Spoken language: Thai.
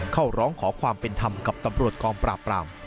เข้าร้องขอความเป็นธรรมกับตำรวจกองปราบปราม